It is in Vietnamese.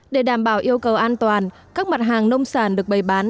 để đảm bảo yêu cầu an toàn các mặt hàng nông sản được bày bán